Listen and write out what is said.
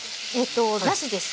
なしです。